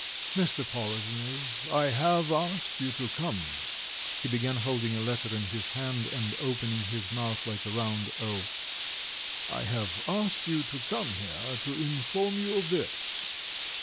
"Mr. Poloznev, I have asked you to come," he began, holding a letter in his hand, and opening his mouth like a round "o," "I have asked you to come here to inform you of this.